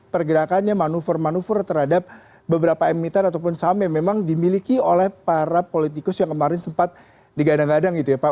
pergerakannya manuver manuver terhadap beberapa emiten ataupun saham yang memang dimiliki oleh para politikus yang kemarin sempat digadang gadang gitu ya pak